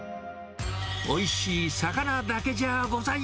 おいしい魚だけじゃあござい